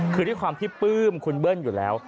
คือด้วยความที่ปลื้มคุณเบิ้ลอยู่แล้ว